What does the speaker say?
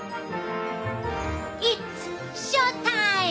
イッツショータイム！